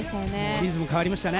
リズムが変わりましたよね。